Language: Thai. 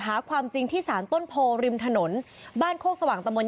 หาความจริงที่สารต้นโพริมถนนบ้านโคกสว่างตะมนต